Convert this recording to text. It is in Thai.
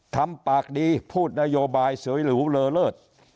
ทำปากดีพูดนโยบายเสรีหรือเหลลิต